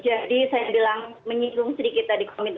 jadi saya bilang menyiklung sedikit tadi komitmen saya